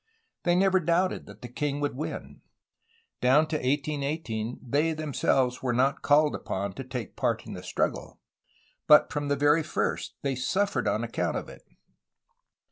They never doubted that the king would win. Down to 1818 they themselves were not called upon to take part in the struggle, but from the very first they suffered on account of it.